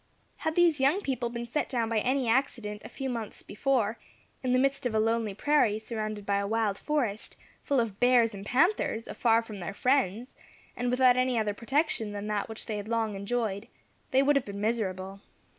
Had these young people been set down by any accident, a few months before, in the midst of a lonely prairie, surrounded by a wild forest, full of bears and panthers, afar from their friends, and without any other protection than that which they had long enjoyed, they would have been miserable.